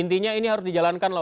intinya ini harus dijalankan loh